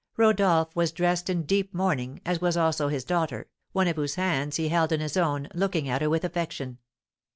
Rodolph was dressed in deep mourning, as was also his daughter, one of whose hands he held in his own, looking at her with affection.